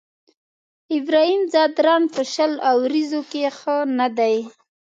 ابراهيم ځدراڼ په شل اوريزو کې ښه نه دی.